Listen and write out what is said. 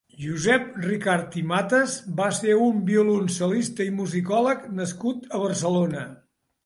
Josep Ricart i Matas va ser un violoncel·lista i musicòleg nascut a Barcelona.